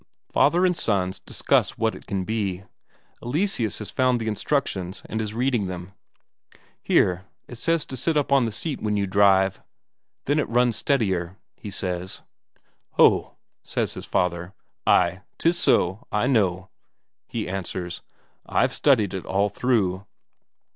Father and sons discuss what it can be. Eleseus has found the instructions and is reading them. "Here, it says to sit up on the seat when you drive then it runs steadier," he says. "Ho!" says his father. "Ay, 'tis so, I know," he answers. "I've studied it all through."